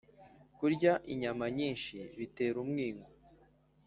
kurya inyama nyinshi bitera umwingo